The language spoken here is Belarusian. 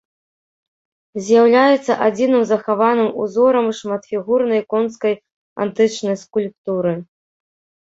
З'яўляецца адзіным захаваным узорам шматфігурнай конскай антычнай скульптуры.